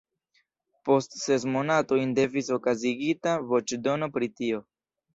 Post ses monatojn devis okazigita voĉdono pri tio.